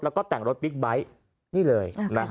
แล้วก็แต่งรถบิ๊กไบท์นี่เลย